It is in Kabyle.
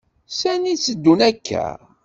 Sani tetteddum akk-a?